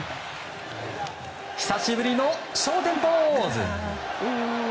久しぶりの昇天ポーズ！